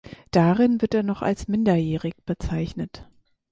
Darin wird er noch als minderjährig bezeichnet.